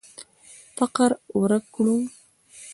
فقر ورک کړو.